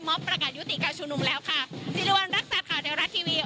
มอบประกาศยุติกาชุมนมแล้วค่ะสิรวรรณรักษาข่าวแท้รักทีวี